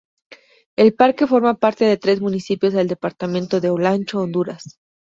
El parque forma parte de tres municipios del departamento de Olancho, Honduras.